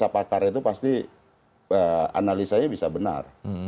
kalau analisa pakar itu pasti analisanya bisa benar